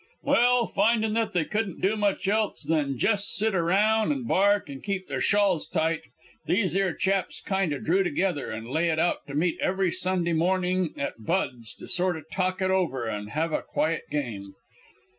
"Well, findin' that they couldn't do much else than jes' sit around an' bark and keep their shawls tight, these 'ere chaps kinda drew together, and lay it out to meet every Sunday morning at Bud's to sorta talk it over and have a quiet game.